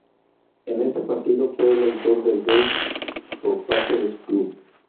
En este partido, fue el autor del gol por parte de su club.